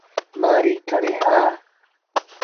مهآريٚ کڻي آ۔